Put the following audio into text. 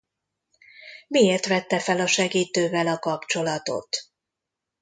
Miért vette fel a segítővel a kapcsolatot?